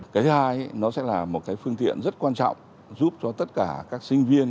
cái thứ hai nó sẽ là một cái phương tiện rất quan trọng giúp cho tất cả các sinh viên